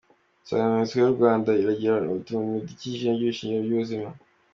Insanganyamatsiko y’ uyu mwaka iragira iti "Umuntu n’ ibidukikije, nibyo shingiro ry’ ubuzima".